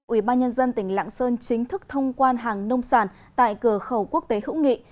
ủy ban nhân dân tỉnh lạng sơn chính thức thông quan hàng nông sản tại cửa khẩu quốc tế hữu nghị